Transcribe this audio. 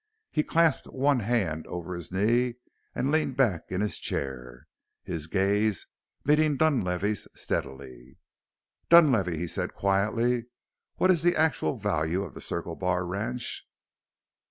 He clasped one hand over his knee and leaned back in his chair, his gaze meeting Dunlavey's steadily. "Dunlavey," he said quietly, "what is the actual value of the Circle Bar ranch?"